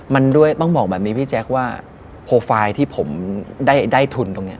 มันด้วยต้องบอกแบบนี้พี่แจ๊คว่าโปรไฟล์ที่ผมได้ทุนตรงนี้